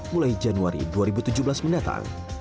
mulai januari dua ribu tujuh belas mendatang